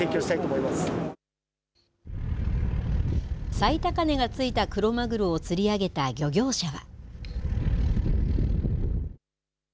最高値がついたクロマグロを釣り上げた漁業者は。